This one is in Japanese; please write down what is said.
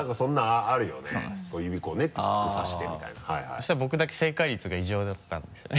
そしたら僕だけ正解率が異常だったんですよね。